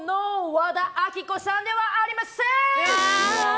和田アキ子さんではありません！